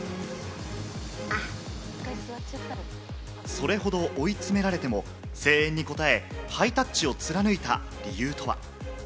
それほど追い詰められても声援に応え、ハイタッチをつらぬいた理由とは？